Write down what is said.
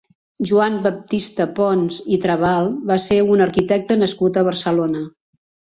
Joan Baptista Pons i Trabal va ser un arquitecte nascut a Barcelona.